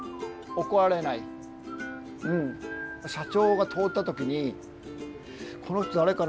社長が通った時に「この人誰かな？」。